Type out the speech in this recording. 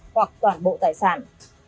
hoặc toàn bộ tài sản